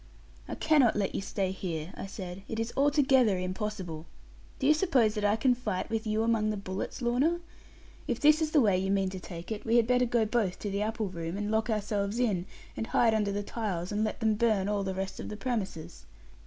'I cannot let you stay here,' I said; 'it is altogether impossible. Do you suppose that I can fight, with you among the bullets, Lorna? If this is the way you mean to take it, we had better go both to the apple room, and lock ourselves in, and hide under the tiles, and let them burn all the rest of the premises.'